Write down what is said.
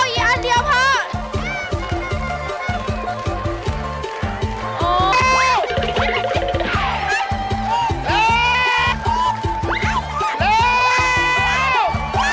๔นาทีแล้ว